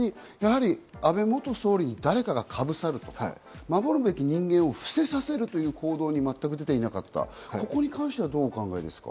その間にやはり安倍元総理に誰かがかぶさるとか、守るべき人間を伏せさせるという行動に全く出ていなかった。